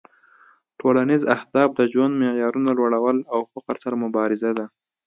ټولنیز اهداف د ژوند معیارونو لوړول او فقر سره مبارزه ده